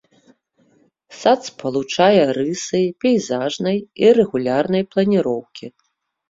Сад спалучае рысы пейзажнай і рэгулярнай планіроўкі.